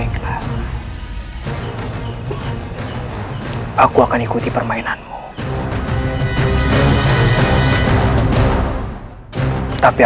kau akan berhenti